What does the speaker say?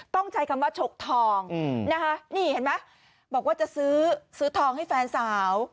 ต้องใช้คำว่าฉกทองนะคะนี่เห็นไหมบอกว่าจะซื้อซื้อทองให้แฟนสาว